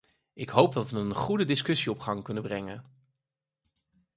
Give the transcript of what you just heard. Ik hoop dat we een goede discussie op gang kunnen brengen.